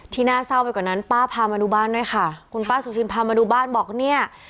น่าเศร้าไปกว่านั้นป้าพามาดูบ้านด้วยค่ะคุณป้าสุชินพามาดูบ้านบอกเนี่ย